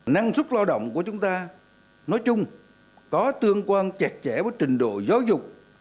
năng suất lao động của chúng ta nói chung có tương quan chẹt chẽ với trình độ giáo dục